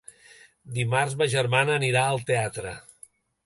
Dimarts ma germana anirà al teatre.